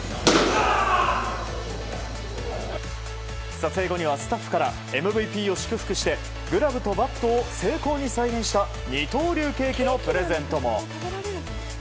撮影後にはスタッフからＭＶＰを祝福してグラブとバットを精巧に再現した二刀流ケーキのプレゼントも。